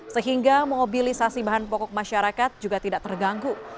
sehingga mobilisasi bahan pokok masyarakat juga tidak terganggu